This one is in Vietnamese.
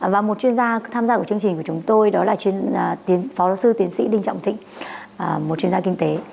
và một chuyên gia tham gia chương trình của chúng tôi đó là phó luật sư tiến sĩ đinh trọng thịnh một chuyên gia kinh tế